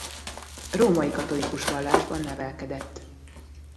Római katolikus vallásban nevelkedett.